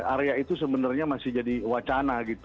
area itu sebenarnya masih jadi wacana gitu